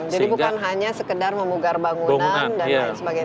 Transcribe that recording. jadi bukan hanya sekedar memugar bangunan